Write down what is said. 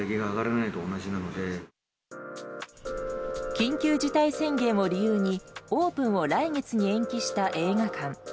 緊急事態宣言を理由にオープンを来月に延期した映画館。